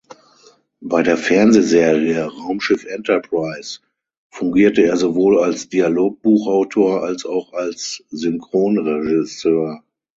Bei der Fernsehserie "Raumschiff Enterprise" fungierte er sowohl als Dialogbuchautor als auch als Synchronregisseur.